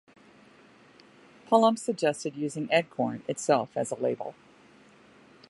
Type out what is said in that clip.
Pullum suggested using "eggcorn" itself as a label.